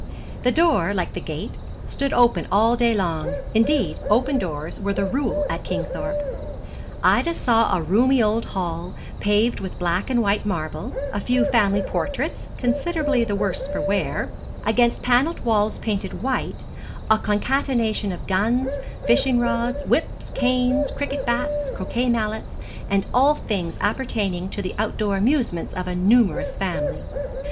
The door, like the gate, stood open all day long indeed, open doors were the rule at Kingthorpe. Ida saw a roomy old hall, paved with black and white marble, a few family portraits, considerably the worse for wear, against panelled walls painted white, a concatenation of guns, fishing rods, whips, canes, cricket bats, croquet mallets, and all things appertaining to the out door amusements of a numerous family.